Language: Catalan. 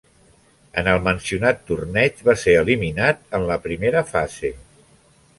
En el mencionat torneig va ser eliminat en la primera fase.